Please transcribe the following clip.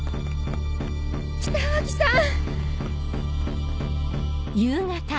北脇さん！